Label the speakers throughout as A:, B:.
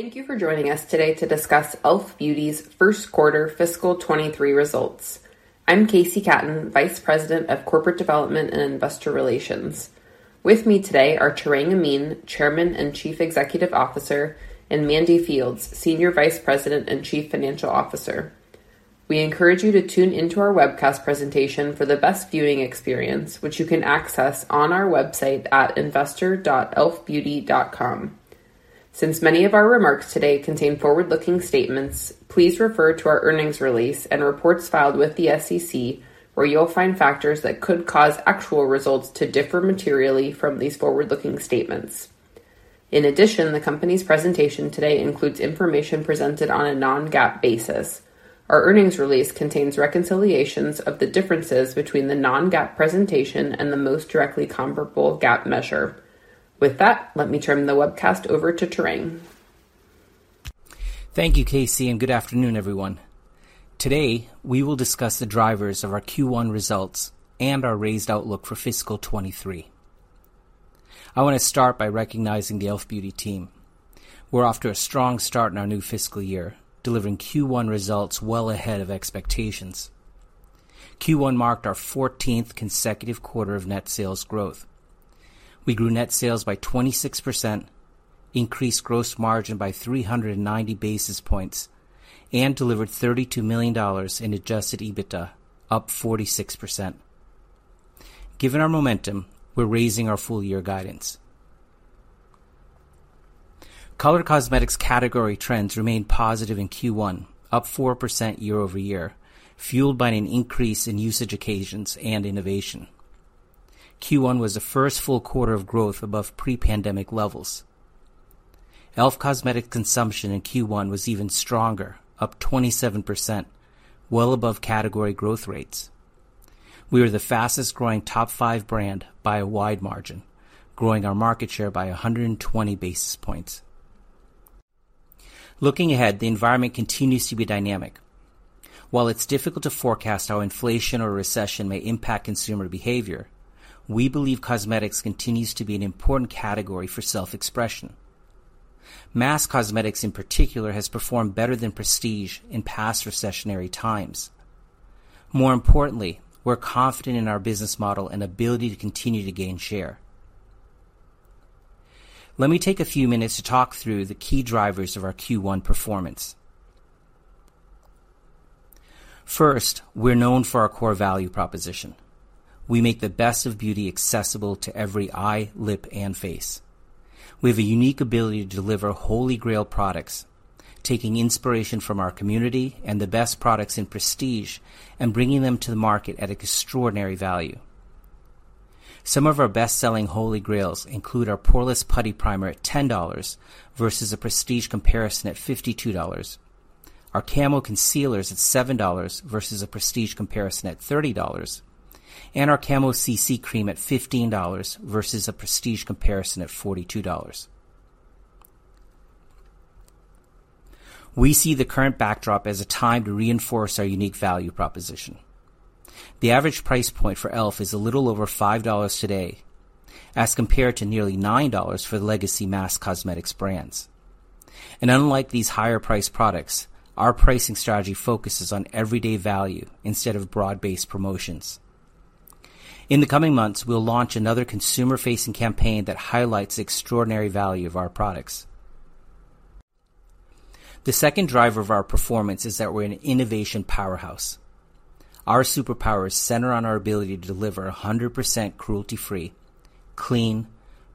A: Thank you for joining us today to discuss e.l.f. Beauty's first quarter fiscal 2023 results. I'm KC Katten, Vice President of Corporate Development and Investor Relations. With me today are Tarang Amin, Chairman and Chief Executive Officer, and Mandy Fields, Senior Vice President and Chief Financial Officer. We encourage you to tune into our webcast presentation for the best viewing experience, which you can access on our website at investor.elfbeauty.com. Since many of our remarks today contain forward-looking statements, please refer to our earnings release and reports filed with the SEC, where you'll find factors that could cause actual results to differ materially from these forward-looking statements. In addition, the company's presentation today includes information presented on a non-GAAP basis. Our earnings release contains reconciliations of the differences between the non-GAAP presentation and the most directly comparable GAAP measure. With that, let me turn the webcast over to Tarang.
B: Thank you, KC, and good afternoon, everyone. Today, we will discuss the drivers of our Q1 results and our raised outlook for fiscal 2023. I want to start by recognizing the e.l.f. Beauty team. We're off to a strong start in our new fiscal year, delivering Q1 results well ahead of expectations. Q1 marked our 14th consecutive quarter of net sales growth. We grew net sales by 26%, increased gross margin by 390 basis points, and delivered $32 million in adjusted EBITDA, up 46%. Given our momentum, we're raising our full year guidance. Color Cosmetics category trends remained positive in Q1, up 4% year-over-year, fueled by an increase in usage occasions and innovation. Q1 was the first full quarter of growth above pre-pandemic levels. e.l.f. Cosmetics consumption in Q1 was even stronger, up 27%, well above category growth rates. We were the fastest-growing top five brand by a wide margin, growing our market share by 120 basis points. Looking ahead, the environment continues to be dynamic. While it's difficult to forecast how inflation or recession may impact consumer behavior, we believe cosmetics continues to be an important category for self-expression. Mass cosmetics, in particular, has performed better than prestige in past recessionary times. More importantly, we're confident in our business model and ability to continue to gain share. Let me take a few minutes to talk through the key drivers of our Q1 performance. First, we're known for our core value proposition. We make the best of beauty accessible to every eye, lip, and face. We have a unique ability to deliver holy grail products, taking inspiration from our community and the best products in prestige and bringing them to the market at extraordinary value. Some of our best-selling holy grails include our Poreless Putty Primer at $10 versus a prestige comparison at $52, our Camo concealers at $7 versus a prestige comparison at $30, and our Camo CC Cream at $15 versus a prestige comparison at $42. We see the current backdrop as a time to reinforce our unique value proposition. The average price point for e.l.f. is a little over $5 today as compared to nearly $9 for the legacy mass cosmetics brands. Unlike these higher priced products, our pricing strategy focuses on everyday value instead of broad-based promotions. In the coming months, we'll launch another consumer-facing campaign that highlights the extraordinary value of our products. The second driver of our performance is that we're an innovation powerhouse. Our superpowers center on our ability to deliver 100% cruelty-free, clean,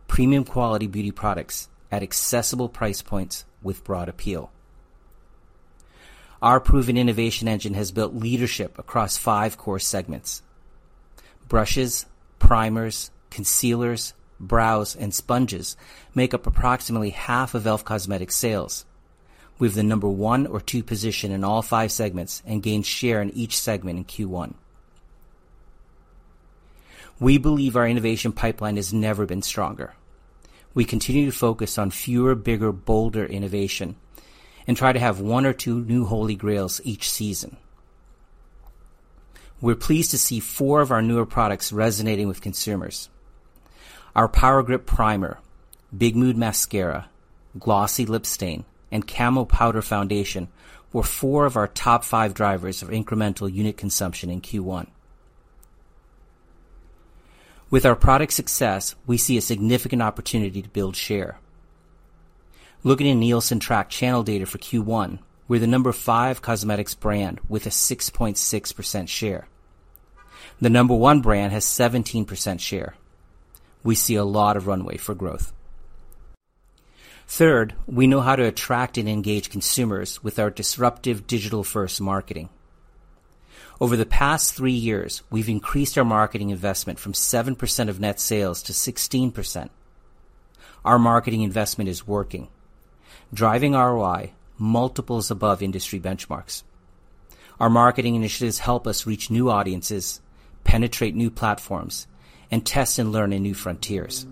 B: premium quality beauty products at accessible price points with broad appeal. Our proven innovation engine has built leadership across five core segments. Brushes, primers, concealers, brows, and sponges make up approximately half of e.l.f. cosmetic sales. We have the number one or two position in all five segments and gained share in each segment in Q1. We believe our innovation pipeline has never been stronger. We continue to focus on fewer, bigger, bolder innovation and try to have one or two new holy grails each season. We're pleased to see four of our newer products resonating with consumers. Our Power Grip Primer, Big Mood Mascara, Glossy Lip Stain, and Camo Powder Foundation were four of our top five drivers of incremental unit consumption in Q1. With our product success, we see a significant opportunity to build share. Looking at Nielsen tracked channel data for Q1, we're the number five cosmetics brand with a 6.6% share. The number one brand has 17% share. We see a lot of runway for growth. Third, we know how to attract and engage consumers with our disruptive digital-first marketing. Over the past three years, we've increased our marketing investment from 7% of net sales to 16%. Our marketing investment is working, driving ROI multiples above industry benchmarks. Our marketing initiatives help us reach new audiences, penetrate new platforms, and test and learn in new frontiers.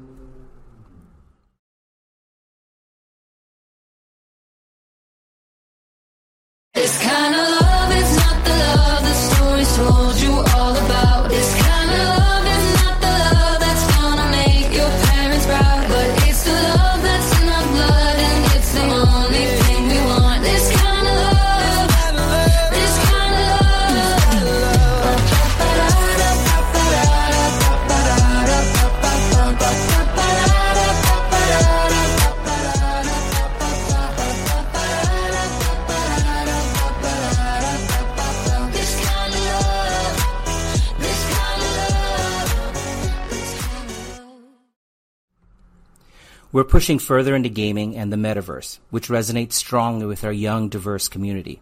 B: We're pushing further into gaming and the metaverse, which resonates strongly with our young, diverse community.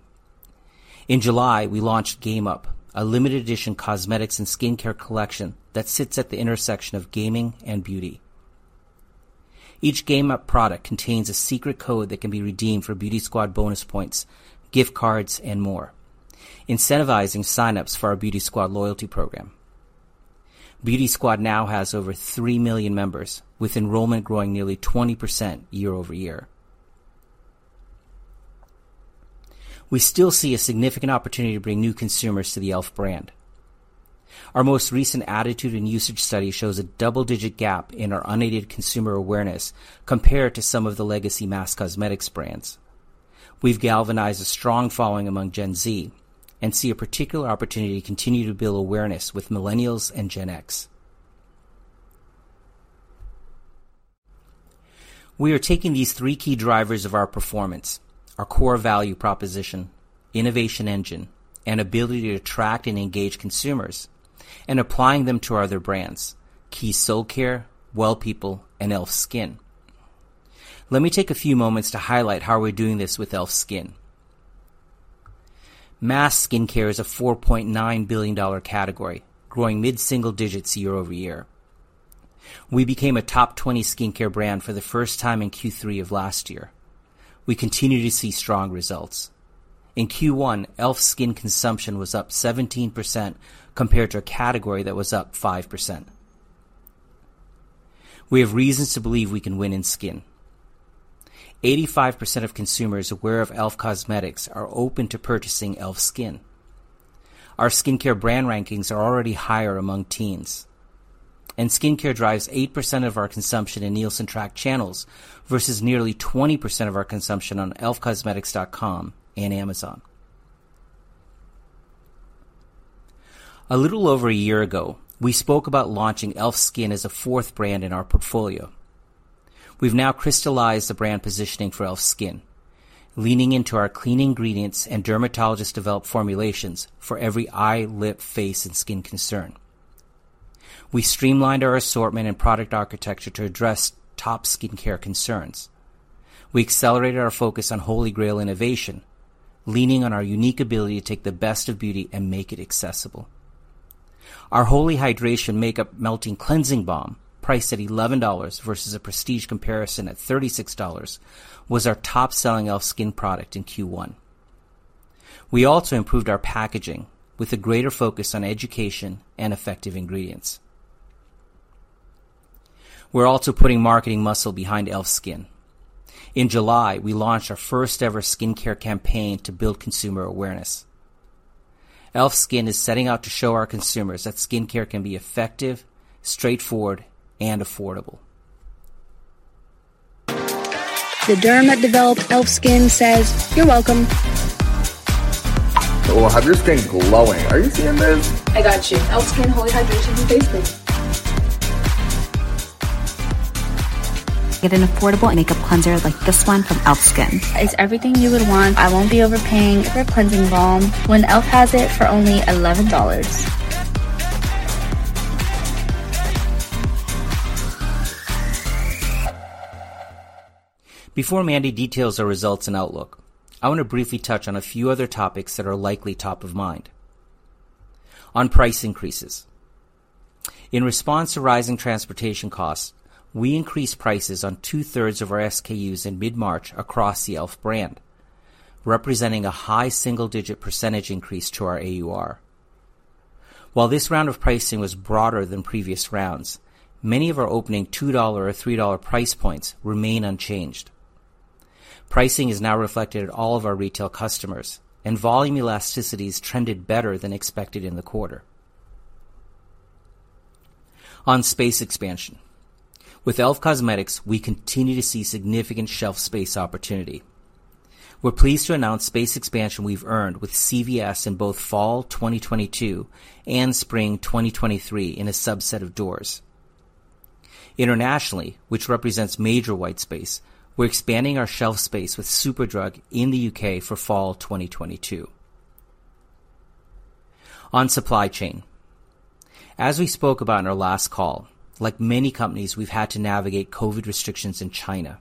B: In July, we launched Game Up, a limited edition cosmetics and skincare collection that sits at the intersection of gaming and beauty. Each Game Up product contains a secret code that can be redeemed for Beauty Squad bonus points, gift cards, and more, incentivizing sign-ups for our Beauty Squad loyalty program. Beauty Squad now has over three million members, with enrollment growing nearly 20% year-over-year. We still see a significant opportunity to bring new consumers to the e.l.f. brand. Our most recent attitude and usage study shows a double-digit gap in our unaided consumer awareness compared to some of the legacy mass cosmetics brands. We've galvanized a strong following among Gen Z and see a particular opportunity to continue to build awareness with millennials and Gen X. We are taking these three key drivers of our performance, our core value proposition, innovation engine, and ability to attract and engage consumers, and applying them to our other brands, Keys Soulcare, Well People, and e.l.f. SKIN. Let me take a few moments to highlight how we're doing this with e.l.f. SKIN. Mass skincare is a $4.9 billion category growing mid-single digits year-over-year. We became a top 20 skincare brand for the first time in Q3 of last year. We continue to see strong results. In Q1, e.l.f. SKIN consumption was up 17% compared to a category that was up 5%. We have reasons to believe we can win in skin. 85% of consumers aware of e.l.f. Cosmetics are open to purchasing e.l.f. SKIN. Our skincare brand rankings are already higher among teens, and skincare drives 8% of our consumption in Nielsen tracked channels versus nearly 20% of our consumption on elfcosmetics.com and Amazon. A little over a year ago, we spoke about launching e.l.f. SKIN as a fourth brand in our portfolio. We've now crystallized the brand positioning for e.l.f. SKIN, leaning into our clean ingredients and dermatologist-developed formulations for every eye, lip, face, and skin concern. We streamlined our assortment and product architecture to address top skincare concerns. We accelerated our focus on holy grail innovation, leaning on our unique ability to take the best of beauty and make it accessible. Our Holy Hydration! Makeup Melting Cleansing Balm, priced at $11 versus a prestige comparison at $36, was our top-selling e.l.f. SKIN product in Q1. We also improved our packaging with a greater focus on education and effective ingredients. We're also putting marketing muscle behind e.l.f. SKIN. In July, we launched our first ever skincare campaign to build consumer awareness. e.l.f. SKIN is setting out to show our consumers that skincare can be effective, straightforward, and affordable. Before Mandy details our results and outlook, I want to briefly touch on a few other topics that are likely top of mind. On price increases, in response to rising transportation costs, we increased prices on two-thirds of our SKUs in mid-March across the e.l.f. brand, representing a high single-digit percentage increase to our AUR. While this round of pricing was broader than previous rounds, many of our opening $2 or $3 price points remain unchanged. Pricing is now reflected at all of our retail customers and volume elasticities trended better than expected in the quarter. On space expansion, with e.l.f. Cosmetics, we continue to see significant shelf space opportunity. We're pleased to announce space expansion we've earned with CVS in both fall 2022 and spring 2023 in a subset of doors. Internationally, which represents major white space, we're expanding our shelf space with Superdrug in the UK for fall 2022. On supply chain, as we spoke about on our last call, like many companies, we've had to navigate COVID restrictions in China.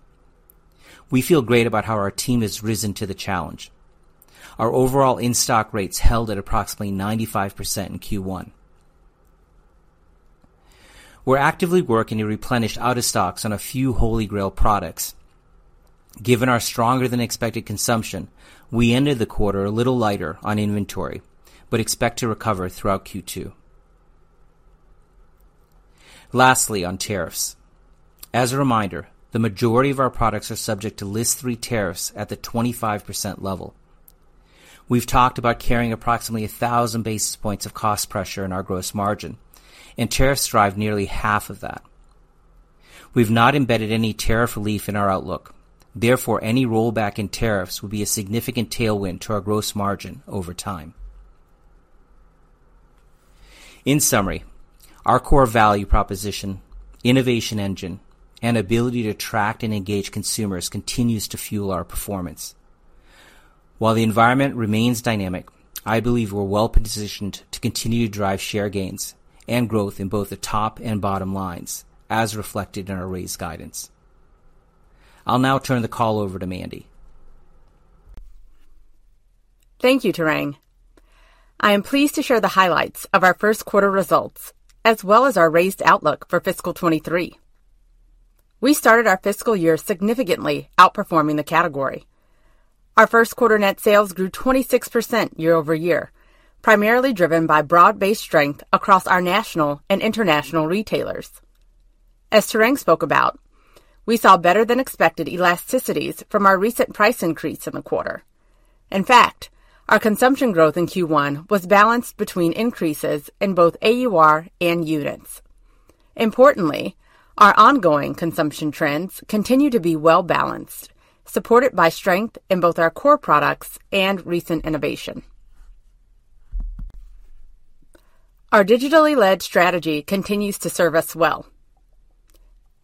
B: We feel great about how our team has risen to the challenge. Our overall in-stock rates held at approximately 95% in Q1. We're actively working to replenish out of stocks on a few holy grail products. Given our stronger than expected consumption, we ended the quarter a little lighter on inventory, but expect to recover throughout Q2. Lastly, on tariffs, as a reminder, the majority of our products are subject to List 3 tariffs at the 25% level. We've talked about carrying approximately 1,000 basis points of cost pressure in our gross margin, and tariffs drive nearly half of that. We've not embedded any tariff relief in our outlook. Therefore, any rollback in tariffs will be a significant tailwind to our gross margin over time. In summary, our core value proposition, innovation engine, and ability to attract and engage consumers continues to fuel our performance. While the environment remains dynamic, I believe we're well-positioned to continue to drive share gains and growth in both the top and bottom lines as reflected in our raised guidance. I'll now turn the call over to Mandy.
C: Thank you, Tarang. I am pleased to share the highlights of our first quarter results as well as our raised outlook for fiscal 2023. We started our fiscal year significantly outperforming the category. Our first quarter net sales grew 26% year-over-year, primarily driven by broad-based strength across our national and international retailers. As Tarang spoke about, we saw better than expected elasticities from our recent price increase in the quarter. In fact, our consumption growth in Q1 was balanced between increases in both AUR and units. Importantly, our ongoing consumption trends continue to be well-balanced, supported by strength in both our core products and recent innovation. Our digitally led strategy continues to serve us well.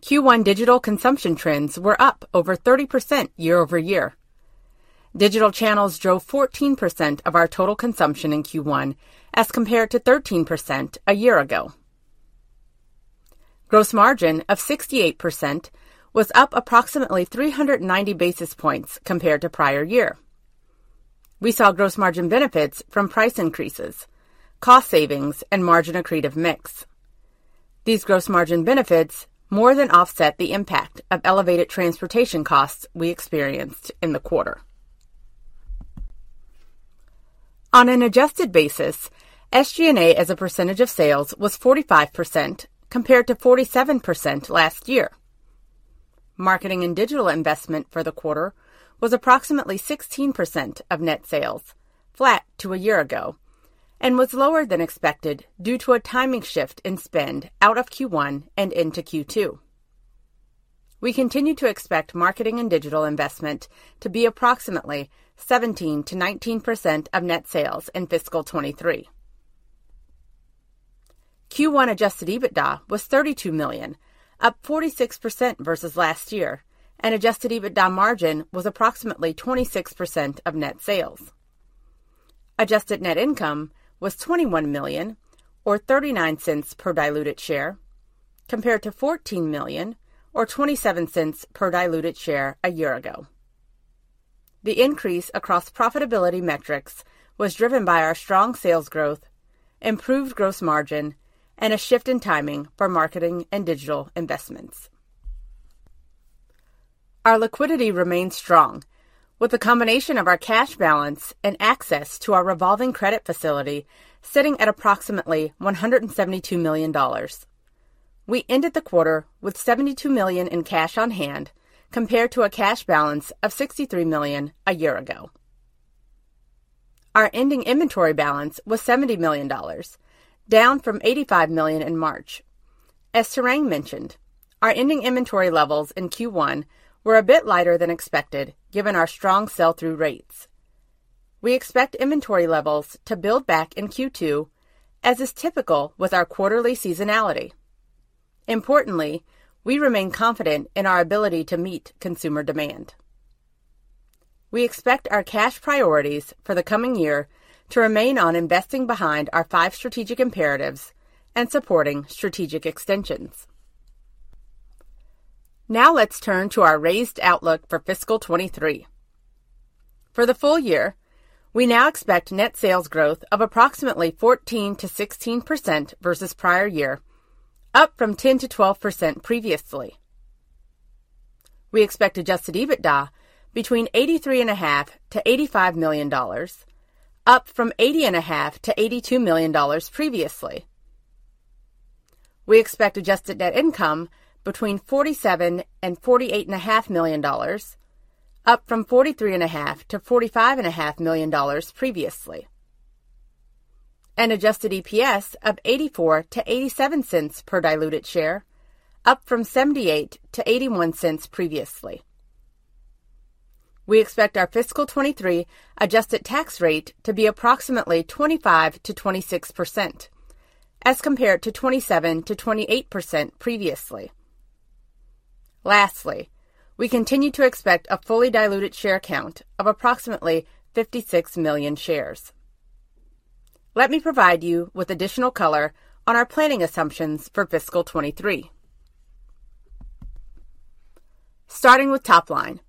C: Q1 digital consumption trends were up over 30% year-over-year. Digital channels drove 14% of our total consumption in Q1 as compared to 13% a year ago. Gross margin of 68% was up approximately 390 basis points compared to prior year. We saw gross margin benefits from price increases, cost savings, and margin accretive mix. These gross margin benefits more than offset the impact of elevated transportation costs we experienced in the quarter. On an adjusted basis, SG&A as a percentage of sales was 45% compared to 47% last year. Marketing and digital investment for the quarter was approximately 16% of net sales, flat to a year ago, and was lower than expected due to a timing shift in spend out of Q1 and into Q2. We continue to expect marketing and digital investment to be approximately 17%-19% of net sales in fiscal 2023. Q1 adjusted EBITDA was $32 million, up 46% versus last year, and adjusted EBITDA margin was approximately 26% of net sales. Adjusted net income was $21 million or $0.39 per diluted share, compared to $14 million or $0.27 per diluted share a year ago. The increase across profitability metrics was driven by our strong sales growth, improved gross margin, and a shift in timing for marketing and digital investments. Our liquidity remains strong with a combination of our cash balance and access to our revolving credit facility sitting at approximately $172 million. We ended the quarter with $72 million in cash on hand compared to a cash balance of $63 million a year ago. Our ending inventory balance was $70 million, down from $85 million in March. As Tarang mentioned, our ending inventory levels in Q1 were a bit lighter than expected given our strong sell-through rates. We expect inventory levels to build back in Q2, as is typical with our quarterly seasonality. Importantly, we remain confident in our ability to meet consumer demand. We expect our cash priorities for the coming year to remain on investing behind our five strategic imperatives and supporting strategic extensions. Now let's turn to our raised outlook for fiscal 2023. For the full year, we now expect net sales growth of approximately 14%-16% versus prior year, up from 10%-12% previously. We expect adjusted EBITDA between $83.5 million-$85 million, up from $80.5 million-$82 million previously. We expect adjusted net income between $47 million-$48.5 million, up from $43.5 million-$45.5 million previously. Adjusted EPS of $0.84-$0.87 per diluted share, up from $0.78-$0.81 previously. We expect our fiscal 2023 adjusted tax rate to be approximately 25%-26%, as compared to 27%-28% previously. Lastly, we continue to expect a fully diluted share count of approximately 56 million shares. Let me provide you with additional color on our planning assumptions for fiscal 2023. Starting with top line.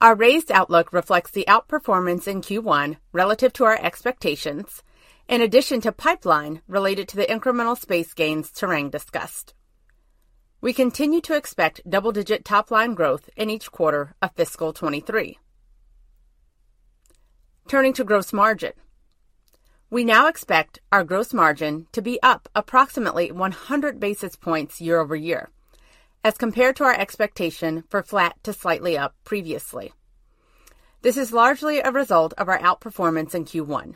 C: Our raised outlook reflects the outperformance in Q1 relative to our expectations, in addition to pipeline related to the incremental space gains Tarang discussed. We continue to expect double-digit top-line growth in each quarter of fiscal 2023. Turning to gross margin. We now expect our gross margin to be up approximately 100 basis points year-over-year as compared to our expectation for flat to slightly up previously. This is largely a result of our outperformance in Q1.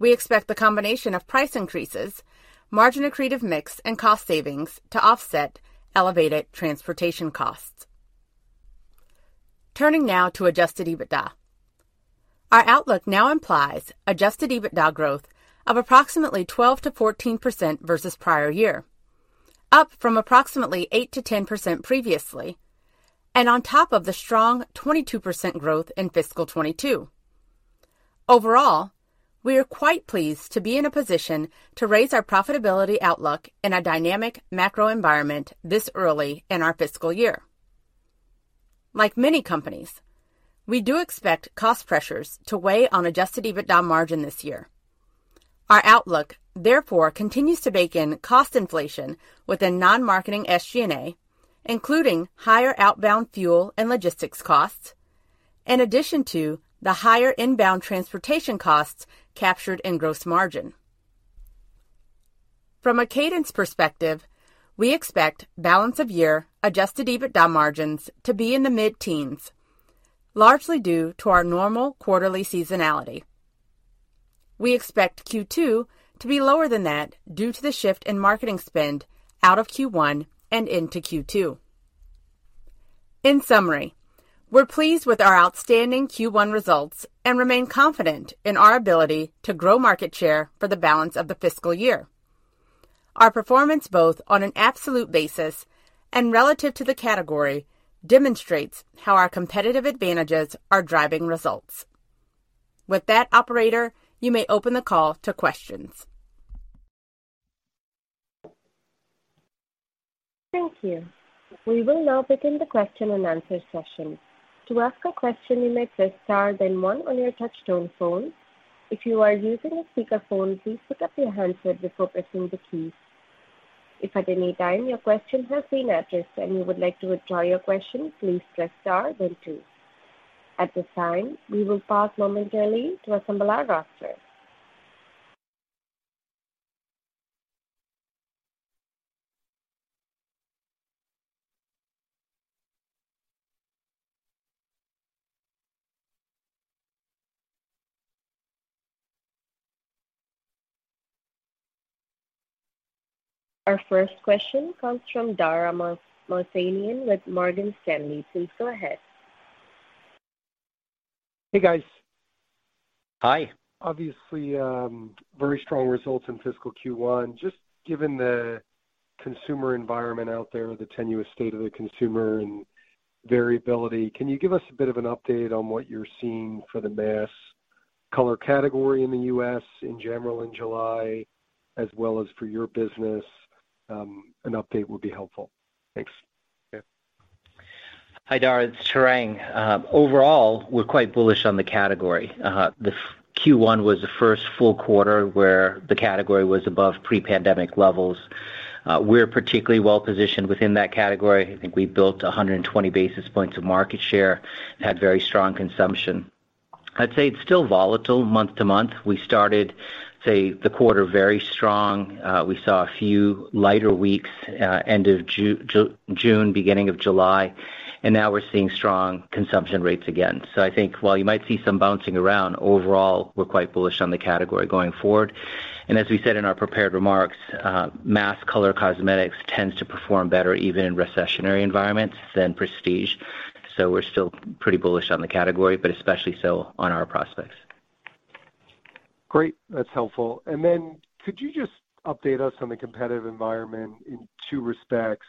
C: We expect the combination of price increases, margin accretive mix, and cost savings to offset elevated transportation costs. Turning now to adjusted EBITDA. Our outlook now implies adjusted EBITDA growth of approximately 12%-14% versus prior year, up from approximately 8%-10% previously, and on top of the strong 22% growth in fiscal 2022. Overall, we are quite pleased to be in a position to raise our profitability outlook in a dynamic macro environment this early in our fiscal year. Like many companies, we do expect cost pressures to weigh on adjusted EBITDA margin this year. Our outlook, therefore, continues to bake in cost inflation within non-marketing SG&A, including higher outbound fuel and logistics costs, in addition to the higher inbound transportation costs captured in gross margin. From a cadence perspective, we expect balance of year adjusted EBITDA margins to be in the mid-teens, largely due to our normal quarterly seasonality. We expect Q2 to be lower than that due to the shift in marketing spend out of Q1 and into Q2. In summary, we're pleased with our outstanding Q1 results and remain confident in our ability to grow market share for the balance of the fiscal year. Our performance, both on an absolute basis and relative to the category, demonstrates how our competitive advantages are driving results. With that, operator, you may open the call to questions.
D: Thank you. We will now begin the question and answer session. To ask a question, you may press star then one on your touchtone phone. If you are using a speakerphone, please pick up your handset before pressing the keys. If at any time your question has been addressed and you would like to withdraw your question, please press star then two. At this time, we will pause momentarily to assemble our roster. Our first question comes from Dara Mohsenian with Morgan Stanley. Please go ahead.
E: Hey, guys.
B: Hi.
E: Obviously, very strong results in fiscal Q1. Just given the consumer environment out there, the tenuous state of the consumer and variability, can you give us a bit of an update on what you're seeing for the mass color category in the U.S. in general in July as well as for your business? An update would be helpful. Thanks.
B: Okay. Hi, Dara. It's Tarang. Overall, we're quite bullish on the category. The Q1 was the first full quarter where the category was above pre-pandemic levels. We're particularly well-positioned within that category. I think we built 120 basis points of market share, had very strong consumption. I'd say it's still volatile month-to-month. We started, say, the quarter very strong. We saw a few lighter weeks, end of June, beginning of July, and now we're seeing strong consumption rates again. I think while you might see some bouncing around, overall, we're quite bullish on the category going forward. As we said in our prepared remarks, mass color cosmetics tends to perform better even in recessionary environments than prestige. We're still pretty bullish on the category, but especially so on our prospects.
E: Great. That's helpful. Could you just update us on the competitive environment in two respects?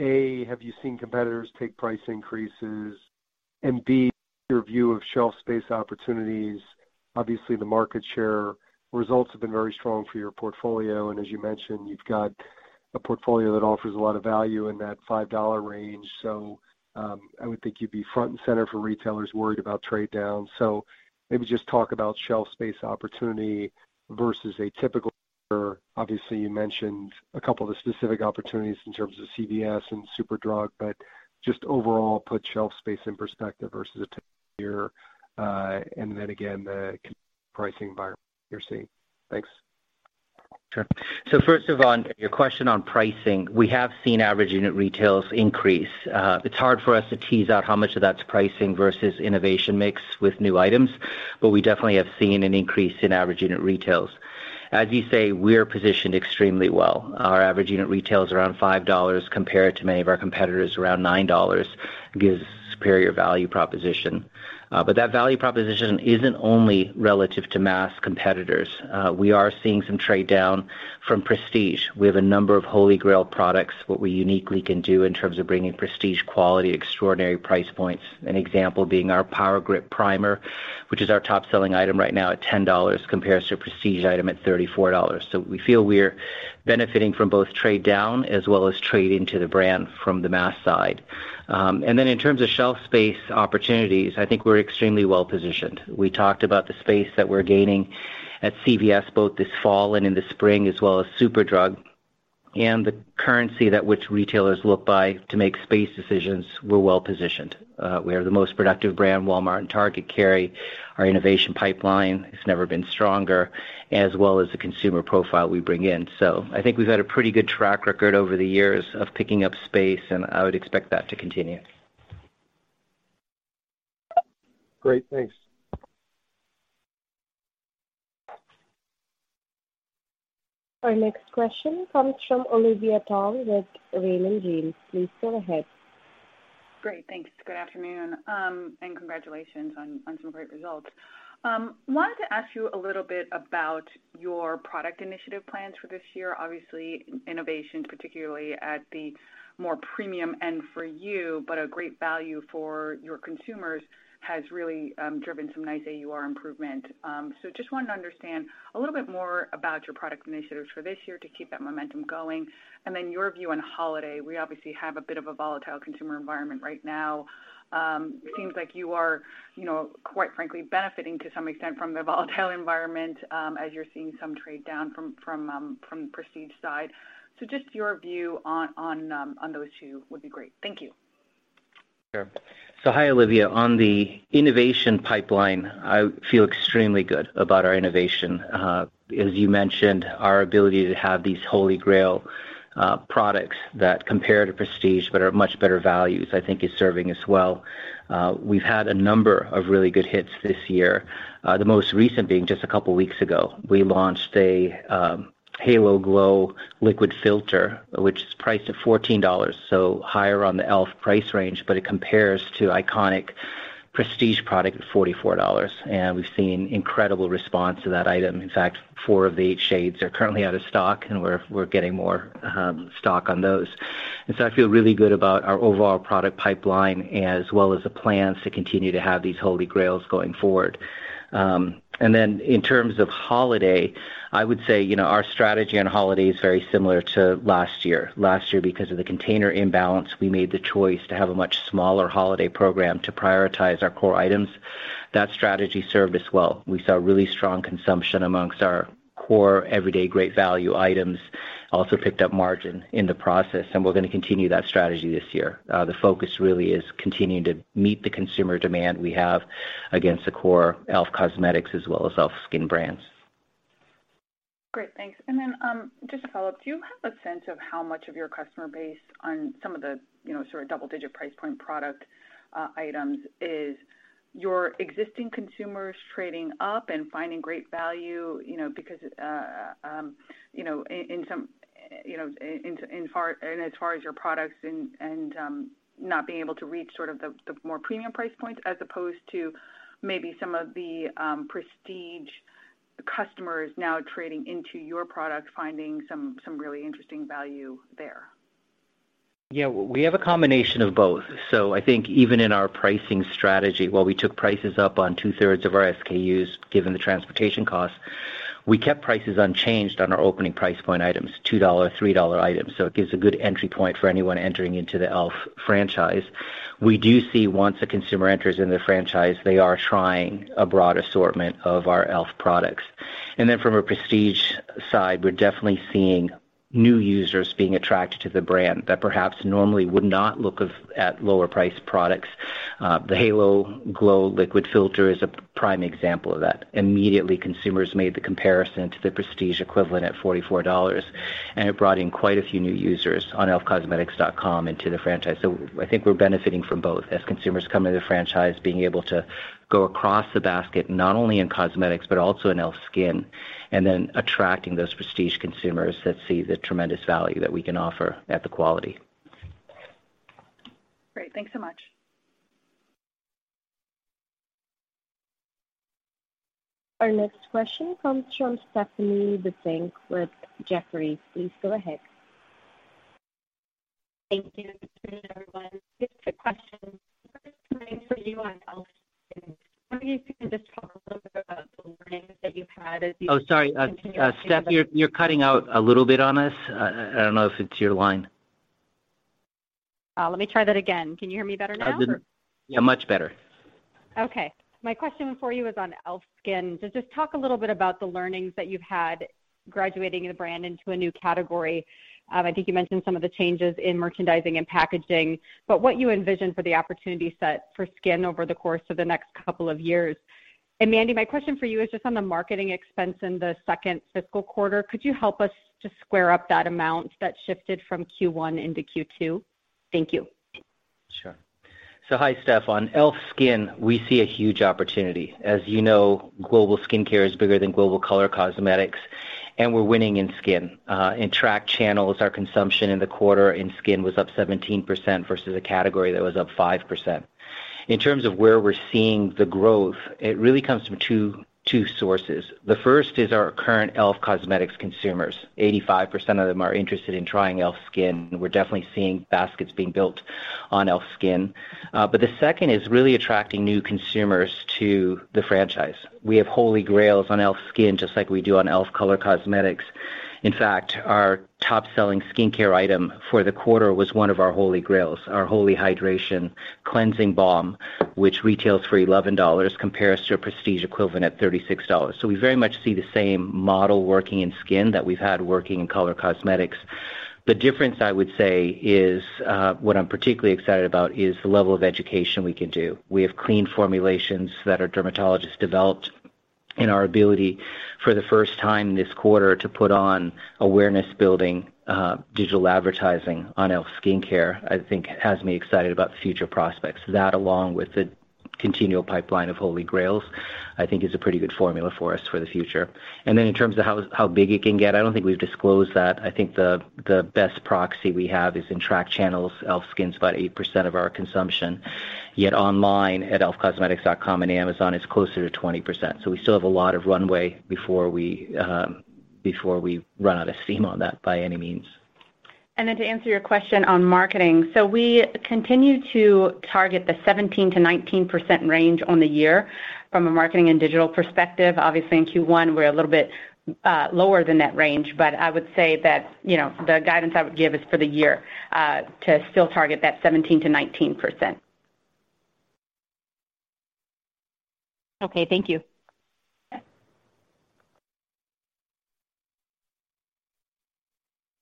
E: A, have you seen competitors take price increases? And B, your view of shelf space opportunities. Obviously, the market share results have been very strong for your portfolio, and as you mentioned, you've got a portfolio that offers a lot of value in that $5 range. I would think you'd be front and center for retailers worried about trade down. Maybe just talk about shelf space opportunity versus a typical year. Obviously, you mentioned a couple of the specific opportunities in terms of CVS and Superdrug, but just overall, put shelf space in perspective versus a typical year, and then again, the pricing environment you're seeing. Thanks.
B: Sure. First off on your question on pricing, we have seen average unit retail increase. It's hard for us to tease out how much of that's pricing versus innovation mix with new items, but we definitely have seen an increase in average unit retail. As you say, we're positioned extremely well. Our average unit retail is around $5 compared to many of our competitors around $9, gives superior value proposition. But that value proposition isn't only relative to mass competitors. We are seeing some trade down from prestige. We have a number of holy grail products, what we uniquely can do in terms of bringing prestige quality, extraordinary price points. An example being our Power Grip Primer, which is our top-selling item right now at $10, compares to a prestige item at $34. We feel we're benefiting from both trade down as well as trade into the brand from the mass side. In terms of shelf space opportunities, I think we're extremely well-positioned. We talked about the space that we're gaining at CVS both this fall and in the spring, as well as Superdrug. The currency by which retailers look to make space decisions, we're well-positioned. We are the most productive brand Walmart and Target carry. Our innovation pipeline has never been stronger as well as the consumer profile we bring in. I think we've had a pretty good track record over the years of picking up space, and I would expect that to continue.
E: Great. Thanks.
D: Our next question comes from Olivia Tong with Raymond James. Please go ahead.
F: Great. Thanks. Good afternoon, and congratulations on some great results. Wanted to ask you a little bit about your product initiative plans for this year. Obviously, innovation, particularly at the more premium end for you, but a great value for your consumers, has really driven some nice AUR improvement. So just wanted to understand a little bit more about your product initiatives for this year to keep that momentum going, and then your view on holiday. We obviously have a bit of a volatile consumer environment right now. It seems like you are, you know, quite frankly, benefiting to some extent from the volatile environment, as you're seeing some trade-down from the prestige side. Just your view on those two would be great. Thank you.
B: Sure. Hi, Olivia. On the innovation pipeline, I feel extremely good about our innovation. As you mentioned, our ability to have these holy grail products that compare to prestige but are much better values, I think is serving us well. We've had a number of really good hits this year. The most recent being just a couple weeks ago. We launched a Halo Glow Liquid Filter, which is priced at $14, so higher on the e.l.f. price range, but it compares to iconic prestige product at $44. We've seen incredible response to that item. In fact, four of the eight shades are currently out of stock, and we're getting more stock on those. I feel really good about our overall product pipeline as well as the plans to continue to have these holy grails going forward. In terms of holiday, I would say, you know, our strategy on holiday is very similar to last year. Last year, because of the container imbalance, we made the choice to have a much smaller holiday program to prioritize our core items. That strategy served us well. We saw really strong consumption amongst our core everyday great value items, also picked up margin in the process, and we're gonna continue that strategy this year. The focus really is continuing to meet the consumer demand we have against the core e.l.f. Cosmetics as well as e.l.f. SKIN brands.
F: Great. Thanks. Just a follow-up. Do you have a sense of how much of your customer base on some of the, you know, sort of double-digit price point product items is your existing consumers trading up and finding great value, you know, because, you know, in some, you know, in as far as your products and not being able to reach sort of the more premium price points, as opposed to maybe some of the prestige customers now trading into your product, finding some really interesting value there?
B: Yeah, we have a combination of both. I think even in our pricing strategy, while we took prices up on two-thirds of our SKUs, given the transportation costs, we kept prices unchanged on our opening price point items, $2, $3 items. It gives a good entry point for anyone entering into the e.l.f. franchise. We do see once a consumer enters in the franchise, they are trying a broad assortment of our e.l.f. products. From a prestige side, we're definitely seeing new users being attracted to the brand that perhaps normally would not look at lower priced products. The Halo Glow Liquid Filter is a prime example of that. Immediately, consumers made the comparison to the prestige equivalent at $44, and it brought in quite a few new users on elfcosmetics.com into the franchise. I think we're benefiting from both as consumers come into the franchise, being able to go across the basket, not only in cosmetics, but also in e.l.f. SKIN, and then attracting those prestige consumers that see the tremendous value that we can offer at the quality.
F: Great. Thanks so much.
D: Our next question comes from Stephanie Wissink with Jefferies. Please go ahead.
G: Thank you. Good afternoon, everyone. Just a quick question. First, Mandy, for you on e.l.f. SKIN. I wonder if you could just talk a little bit about the learnings that you've had as you-
B: Oh, sorry. Steph, you're cutting out a little bit on us. I don't know if it's your line.
G: Let me try that again. Can you hear me better now?
B: Yeah, much better.
G: Okay. My question for you is on e.l.f. SKIN. Just talk a little bit about the learnings that you've had graduating the brand into a new category. I think you mentioned some of the changes in merchandising and packaging, but what you envision for the opportunity set for skin over the course of the next couple of years. Mandy, my question for you is just on the marketing expense in the second fiscal quarter. Could you help us just square up that amount that shifted from Q1 into Q2? Thank you.
B: Sure. Hi, Steph. On e.l.f. SKIN, we see a huge opportunity. As you know, global skincare is bigger than global color cosmetics, and we're winning in skin. In tracked channels, our consumption in the quarter in skin was up 17% versus a category that was up 5%. In terms of where we're seeing the growth, it really comes from two sources. The first is our current e.l.f. Cosmetics consumers. 85% of them are interested in trying e.l.f. SKIN. We're definitely seeing baskets being built on e.l.f. SKIN. The second is really attracting new consumers to the franchise. We have holy grails on e.l.f. SKIN just like we do on e.l.f. Color Cosmetics. In fact, our top-selling skincare item for the quarter was one of our holy grails, our Holy Hydration Cleansing Balm, which retails for $11, compares to a prestige equivalent at $36. We very much see the same model working in skin that we've had working in color cosmetics. The difference, I would say, is what I'm particularly excited about is the level of education we can do. We have clean formulations that our dermatologists developed in our ability for the first time this quarter to put on awareness building digital advertising on e.l.f. SKIN, I think has me excited about the future prospects. That along with the continual pipeline of holy grails, I think is a pretty good formula for us for the future. In terms of how big it can get, I don't think we've disclosed that. I think the best proxy we have is in tracked channels, e.l.f. SKIN's about 8% of our consumption. Yet online at elfcosmetics.com and Amazon is closer to 20%. We still have a lot of runway before we run out of steam on that by any means.
C: Then to answer your question on marketing. We continue to target the 17%-19% range on the year from a marketing and digital perspective. Obviously, in Q1, we're a little bit lower than that range, but I would say that, you know, the guidance I would give is for the year to still target that 17%-19%.
G: Okay. Thank you.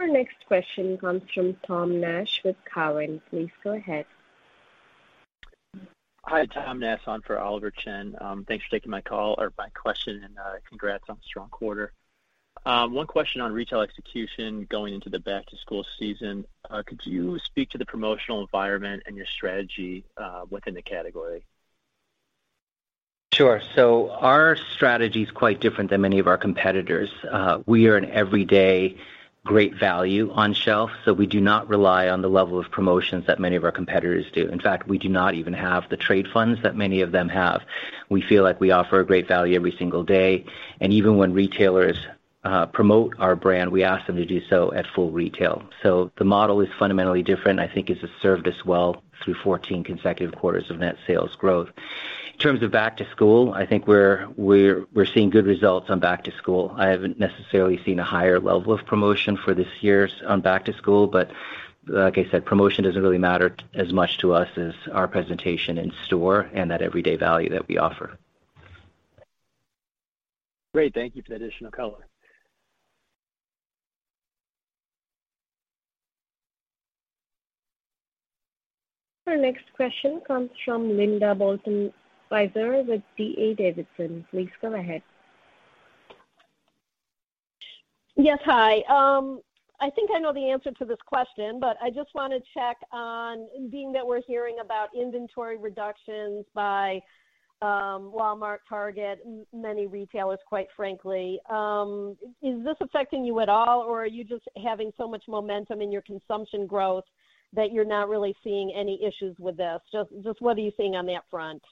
C: Yeah.
D: Our next question comes from Tom Nash with Cowen. Please go ahead.
H: Hi, Tom Nash on for Oliver Chen. Thanks for taking my call or my question, and congrats on a strong quarter. One question on retail execution going into the back-to-school season. Could you speak to the promotional environment and your strategy within the category?
B: Our strategy is quite different than many of our competitors. We are an everyday great value on shelf, so we do not rely on the level of promotions that many of our competitors do. In fact, we do not even have the trade funds that many of them have. We feel like we offer a great value every single day, and even when retailers promote our brand, we ask them to do so at full retail. The model is fundamentally different. I think it has served us well through 14 consecutive quarters of net sales growth. In terms of back to school, I think we're seeing good results on back to school. I haven't necessarily seen a higher level of promotion for this year on back to school, but like I said, promotion doesn't really matter as much to us as our presentation in store and that everyday value that we offer.
H: Great. Thank you for the additional color.
D: Our next question comes from Linda Bolton-Weiser with D.A. Davidson. Please go ahead.
I: Yes. Hi. I think I know the answer to this question, but I just want to check on being that we're hearing about inventory reductions by Walmart, Target, many retailers, quite frankly. Is this affecting you at all, or are you just having so much momentum in your consumption growth that you're not really seeing any issues with this? Just what are you seeing on that front?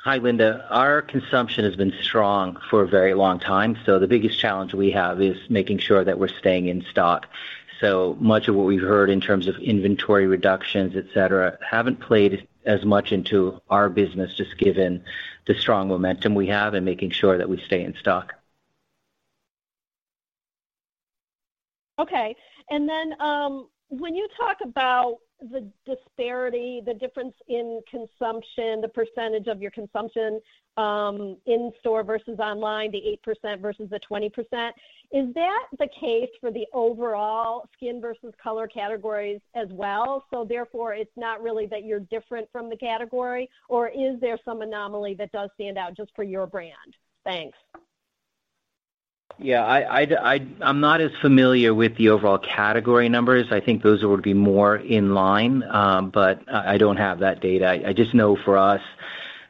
B: Hi, Linda. Our consumption has been strong for a very long time, so the biggest challenge we have is making sure that we're staying in stock. Much of what we've heard in terms of inventory reductions, et cetera, haven't played as much into our business, just given the strong momentum we have and making sure that we stay in stock.
I: Okay. When you talk about the disparity, the difference in consumption, the percentage of your consumption, in-store versus online, the 8% versus the 20%, is that the case for the overall skin versus color categories as well? Therefore, it's not really that you're different from the category, or is there some anomaly that does stand out just for your brand? Thanks.
B: Yeah. I'm not as familiar with the overall category numbers. I think those would be more in line, but I don't have that data. I just know for us,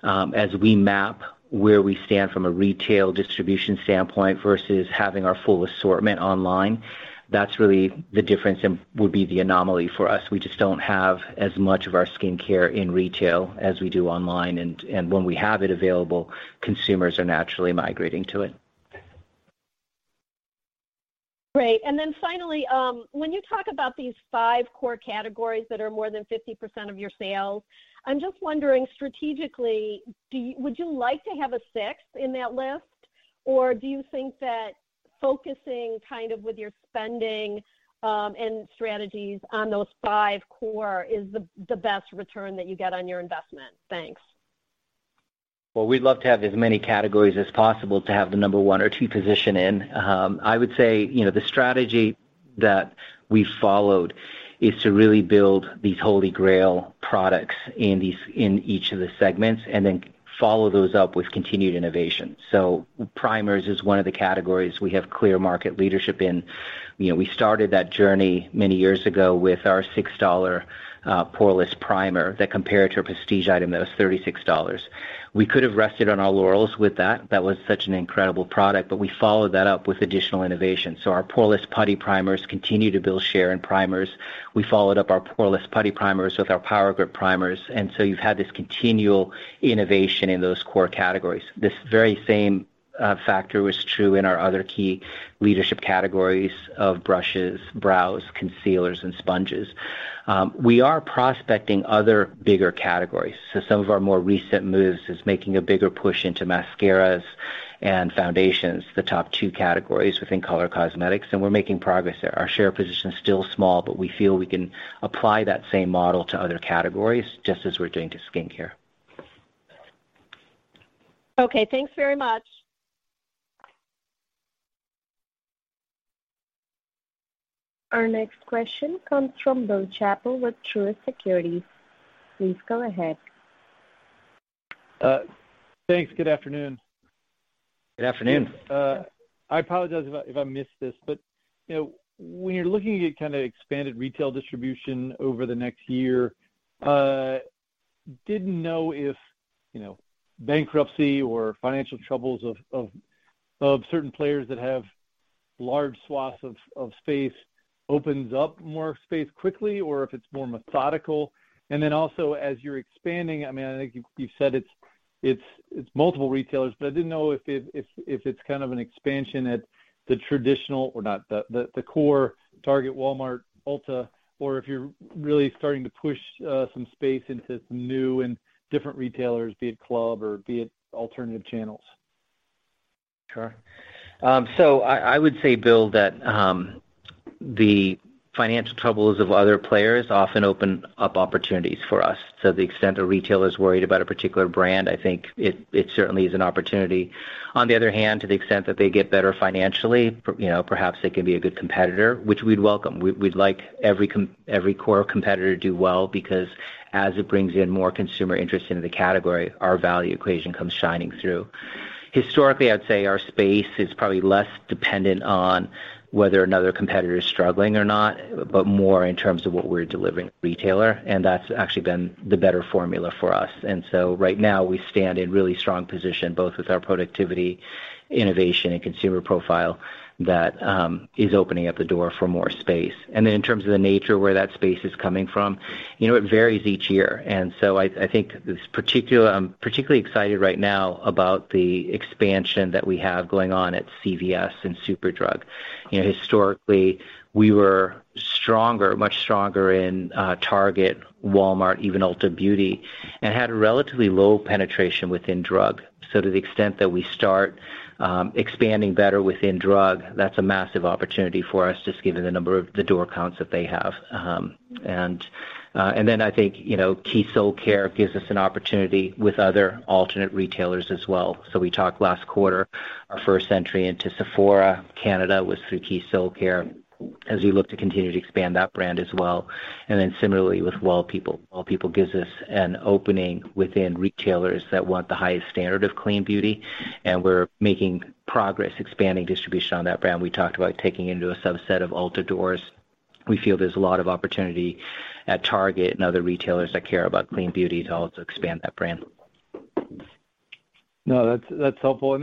B: as we map where we stand from a retail distribution standpoint versus having our full assortment online, that's really the difference and would be the anomaly for us. We just don't have as much of our skincare in retail as we do online, and when we have it available, consumers are naturally migrating to it.
I: Great. Finally, when you talk about these five core categories that are more than 50% of your sales, I'm just wondering strategically, would you like to have a sixth in that list, or do you think that focusing kind of with your spending, and strategies on those five core is the best return that you get on your investment? Thanks.
B: We'd love to have as many categories as possible to have the number one or two position in. I would say, you know, the strategy that we followed is to really build these holy grail products in each of the segments and then follow those up with continued innovation. Primers is one of the categories we have clear market leadership in. You know, we started that journey many years ago with our $6 Poreless Primer that compared to a prestige item that was $36. We could have rested on our laurels with that. That was such an incredible product, but we followed that up with additional innovation. Our Poreless Putty Primers continue to build share in primers. We followed up our Poreless Putty Primers with our Power Grip Primers, and you've had this continual innovation in those core categories. This very same factor was true in our other key leadership categories of brushes, brows, concealers, and sponges. We are prospecting other bigger categories. Some of our more recent moves is making a bigger push into mascaras and foundations, the top two categories within color cosmetics, and we're making progress there. Our share position is still small, but we feel we can apply that same model to other categories just as we're doing to skincare.
I: Okay, thanks very much.
D: Our next question comes from Bill Chappell with Truist Securities. Please go ahead.
J: Thanks. Good afternoon.
B: Good afternoon.
J: I apologize if I missed this, but you know, when you're looking at kinda expanded retail distribution over the next year, didn't know if you know, bankruptcy or financial troubles of certain players that have large swaths of space opens up more space quickly, or if it's more methodical. Then also, as you're expanding, I mean, I think you've said it's multiple retailers, but I didn't know if it's kind of an expansion at the traditional or not, the core Target, Walmart, Ulta, or if you're really starting to push some space into some new and different retailers, be it club or be it alternative channels.
B: Sure. I would say, Bill, that the financial troubles of other players often open up opportunities for us. To the extent a retailer is worried about a particular brand, I think it certainly is an opportunity. On the other hand, to the extent that they get better financially, you know, perhaps they can be a good competitor, which we'd welcome. We'd like every core competitor to do well because as it brings in more consumer interest into the category, our value equation comes shining through. Historically, I'd say our space is probably less dependent on whether another competitor is struggling or not, but more in terms of what we're delivering to the retailer, and that's actually been the better formula for us. Right now, we stand in really strong position, both with our productivity, innovation, and consumer profile that is opening up the door for more space. In terms of the nature where that space is coming from, you know, it varies each year. I think this particular. I'm particularly excited right now about the expansion that we have going on at CVS and Superdrug. You know, historically, we were stronger, much stronger in Target, Walmart, even Ulta Beauty, and had a relatively low penetration within drug. To the extent that we start expanding better within drug, that's a massive opportunity for us, just given the number of the door counts that they have. I think, you know, Keys Soulcare gives us an opportunity with other alternate retailers as well. We talked last quarter, our first entry into Sephora Canada was through Keys Soulcare, as we look to continue to expand that brand as well. Similarly with Well People. Well People gives us an opening within retailers that want the highest standard of clean beauty, and we're making progress expanding distribution on that brand. We talked about taking into a subset of Ulta doors. We feel there's a lot of opportunity at Target and other retailers that care about clean beauty to also expand that brand.
J: No, that's helpful.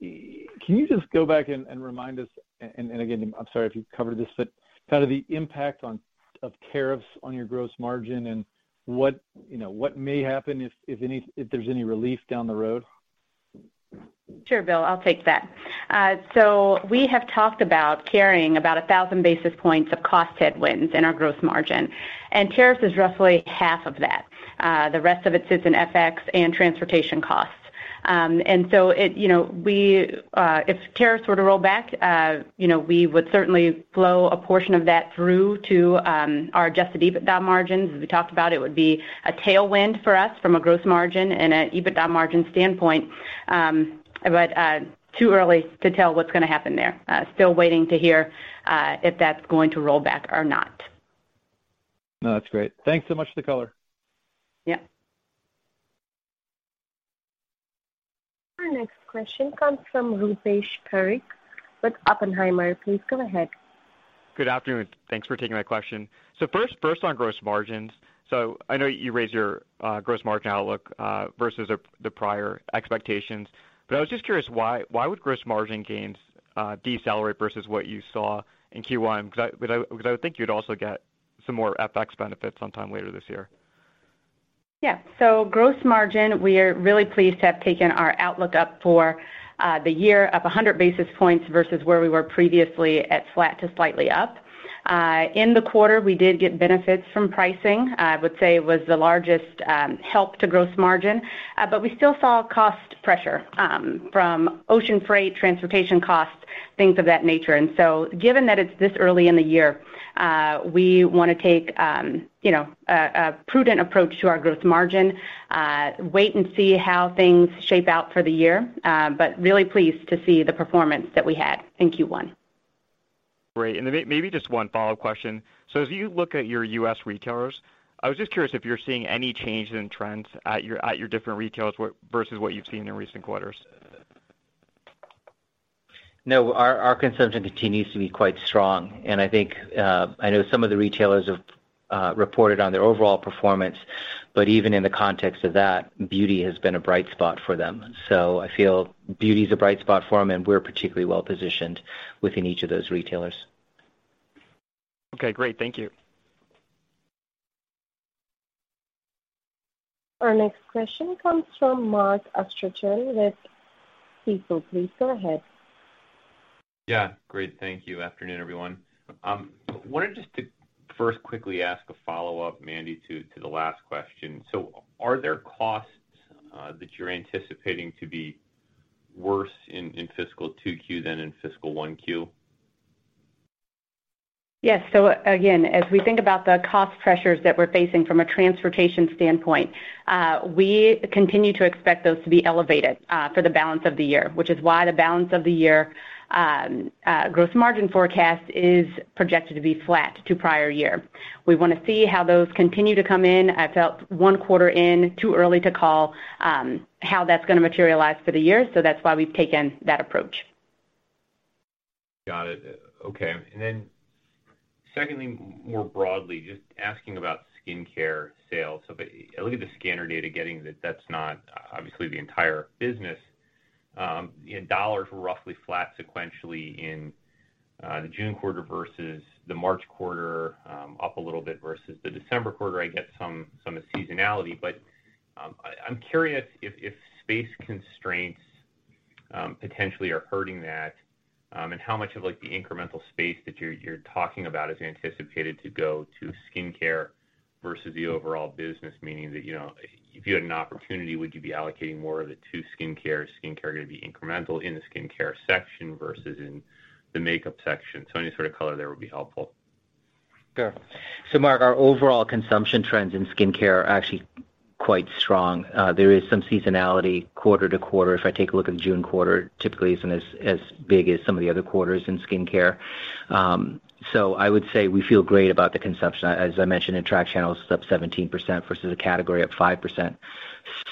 J: Can you just go back and remind us, and again, I'm sorry if you've covered this, but kind of the impact of tariffs on your gross margin and what, you know, what may happen if there's any relief down the road?
C: Sure, Bill, I'll take that. We have talked about carrying about 1,000 basis points of cost headwinds in our gross margin, and tariffs is roughly half of that. The rest of it sits in FX and transportation costs. If tariffs were to roll back, you know, we would certainly flow a portion of that through to our adjusted EBITDA margins. As we talked about, it would be a tailwind for us from a gross margin and a EBITDA margin standpoint. Too early to tell what's gonna happen there. Still waiting to hear if that's going to roll back or not.
J: No, that's great. Thanks so much for the color.
C: Yeah.
D: Our next question comes from Rupesh Parikh with Oppenheimer. Please go ahead.
K: Good afternoon. Thanks for taking my question. First on gross margins. I know you raised your gross margin outlook versus the prior expectations, but I was just curious why would gross margin gains decelerate versus what you saw in Q1? Because I would think you'd also get some more FX benefits sometime later this year.
C: Gross margin, we are really pleased to have taken our outlook up for the year up 100 basis points versus where we were previously at flat to slightly up. In the quarter, we did get benefits from pricing. I would say it was the largest help to gross margin. But we still saw cost pressure from ocean freight, transportation costs, things of that nature. Given that it's this early in the year, we want to take you know, a prudent approach to our gross margin, wait and see how things shape out for the year. But really pleased to see the performance that we had in Q1.
K: Great. Maybe just one follow-up question. As you look at your U.S. retailers, I was just curious if you're seeing any changes in trends at your different retailers versus what you've seen in recent quarters.
B: No, our consumption continues to be quite strong. I think, I know some of the retailers have reported on their overall performance, but even in the context of that, beauty has been a bright spot for them. I feel beauty is a bright spot for them, and we're particularly well-positioned within each of those retailers.
K: Okay, great. Thank you.
D: Our next question comes from Mark Astrachan with Stifel. Please go ahead.
L: Yeah, great. Thank you. Afternoon, everyone. Wanted just to first quickly ask a follow-up, Mandy, to the last question. Are there costs that you're anticipating to be worse in fiscal 2Q than in fiscal 1Q?
C: Yes. Again, as we think about the cost pressures that we're facing from a transportation standpoint, we continue to expect those to be elevated, for the balance of the year, which is why the balance of the year gross margin forecast is projected to be flat to prior year. We want to see how those continue to come in. I felt one quarter in, too early to call, how that's going to materialize for the year, that's why we've taken that approach.
L: Got it. Okay. Secondly, more broadly, just asking about skincare sales. I look at the scanner data getting that that's not obviously the entire business, in dollars were roughly flat sequentially in the June quarter versus the March quarter, up a little bit versus the December quarter. I get some seasonality, but I'm curious if space constraints potentially are hurting that, and how much of like the incremental space that you're talking about is anticipated to go to skincare versus the overall business? Meaning that, you know, if you had an opportunity, would you be allocating more of it to skincare? Is skincare going to be incremental in the skincare section versus in the makeup section? Any sort of color there would be helpful.
B: Sure. Mark, our overall consumption trends in skincare are actually quite strong. There is some seasonality quarter to quarter. If I take a look at June quarter, typically isn't as big as some of the other quarters in skincare. I would say we feel great about the consumption. As I mentioned in tracked channels, it's up 17% versus a category up 5%.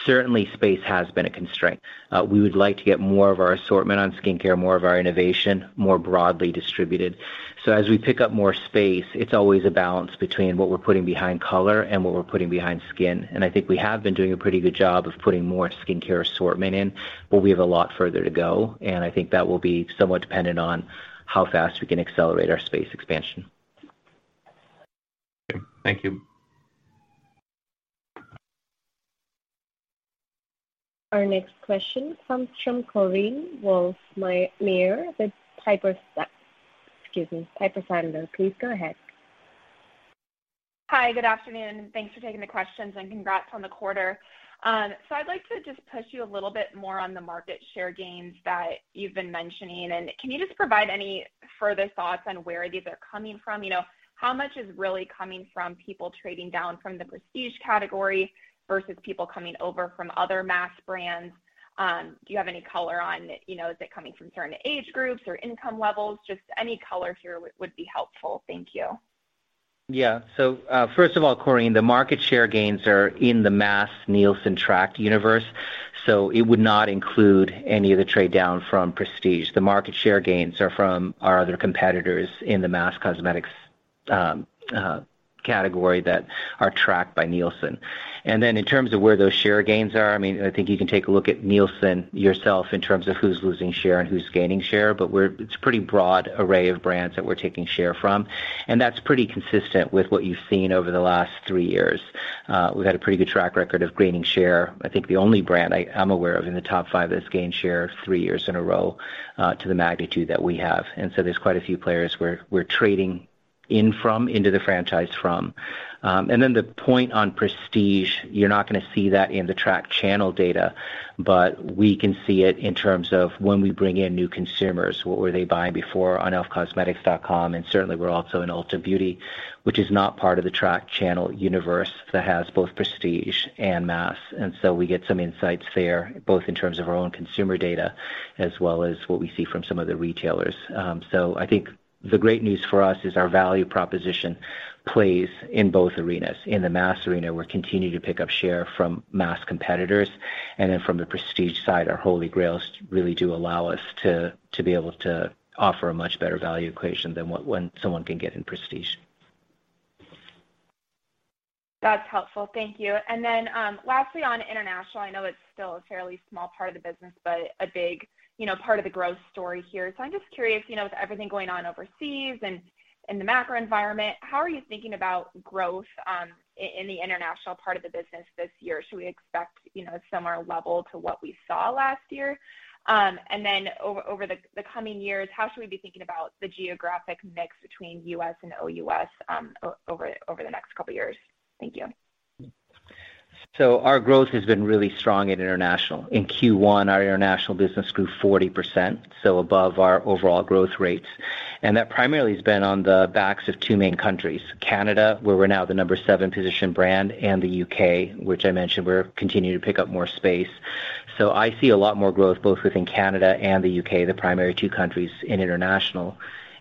B: Certainly, space has been a constraint. We would like to get more of our assortment on skincare, more of our innovation, more broadly distributed. As we pick up more space, it's always a balance between what we're putting behind color and what we're putting behind skin. I think we have been doing a pretty good job of putting more skincare assortment in, but we have a lot further to go, and I think that will be somewhat dependent on how fast we can accelerate our space expansion.
L: Okay. Thank you.
D: Our next question comes from Korinne Wolfmeyer with Piper Sandler. Please go ahead.
M: Hi, good afternoon, and thanks for taking the questions and congrats on the quarter. I'd like to just push you a little bit more on the market share gains that you've been mentioning. Can you just provide any further thoughts on where these are coming from? You know, how much is really coming from people trading down from the prestige category versus people coming over from other mass brands? Do you have any color on, you know, is it coming from certain age groups or income levels? Just any color here would be helpful. Thank you.
B: Yeah. First of all, Korinne, the market share gains are in the mass Nielsen tracked universe, so it would not include any of the trade down from prestige. The market share gains are from our other competitors in the mass cosmetics category that are tracked by Nielsen. In terms of where those share gains are, I mean, I think you can take a look at Nielsen yourself in terms of who's losing share and who's gaining share, but it's a pretty broad array of brands that we're taking share from, and that's pretty consistent with what you've seen over the last three years. We've had a pretty good track record of gaining share. I think the only brand I'm aware of in the top five that's gained share three years in a row to the magnitude that we have. There's quite a few players we're trading in from, into the franchise from. Then the point on prestige, you're not going to see that in the tracked channel data, but we can see it in terms of when we bring in new consumers, what were they buying before on elfcosmetics.com, and certainly we're also in Ulta Beauty, which is not part of the tracked channel universe that has both prestige and mass. We get some insights there, both in terms of our own consumer data as well as what we see from some of the retailers. I think the great news for us is our value proposition plays in both arenas. In the mass arena, we're continuing to pick up share from mass competitors, and then from the prestige side, our holy grails really do allow us to be able to offer a much better value equation than what someone can get in prestige.
M: That's helpful. Thank you. Lastly, on international, I know it's still a fairly small part of the business, but a big, you know, part of the growth story here. I'm just curious, you know, with everything going on overseas and in the macro environment, how are you thinking about growth, in the international part of the business this year? Should we expect, you know, a similar level to what we saw last year? Over the coming years, how should we be thinking about the geographic mix between U.S. and OUS, over the next couple of years? Thank you.
B: Our growth has been really strong in international. In Q1, our international business grew 40%, so above our overall growth rates. That primarily has been on the backs of two main countries, Canada, where we're now the number seven position brand, and the U.K., which I mentioned we're continuing to pick up more space. I see a lot more growth both within Canada and the U.K., the primary two countries in international.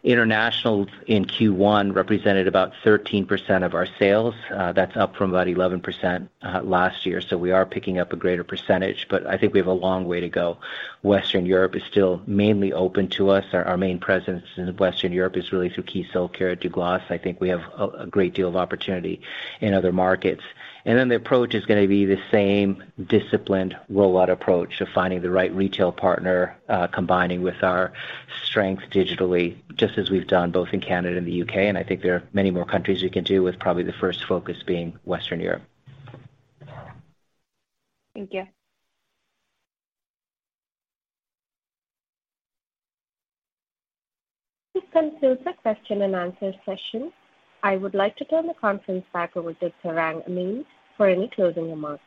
B: International in Q1 represented about 13% of our sales. That's up from about 11%, last year. We are picking up a greater percentage, but I think we have a long way to go. Western Europe is still mainly open to us. Our main presence in Western Europe is really through Keys Soulcare at Douglas. I think we have a great deal of opportunity in other markets. The approach is going to be the same disciplined rollout approach of finding the right retail partner, combining with our strength digitally, just as we've done both in Canada and the U.K. I think there are many more countries we can do with probably the first focus being Western Europe.
M: Thank you.
D: This concludes the question and answer session. I would like to turn the conference back over to Tarang Amin for any closing remarks.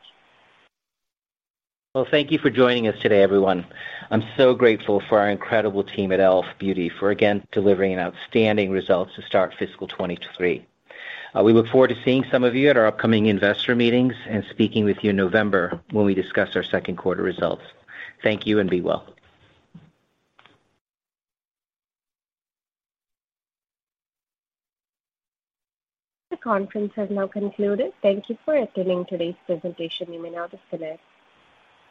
B: Well, thank you for joining us today, everyone. I'm so grateful for our incredible team at e.l.f. Beauty for again delivering an outstanding results to start fiscal 2023. We look forward to seeing some of you at our upcoming investor meetings and speaking with you in November when we discuss our second quarter results. Thank you, and be well.
D: The conference has now concluded. Thank you for attending today's presentation. You may now disconnect.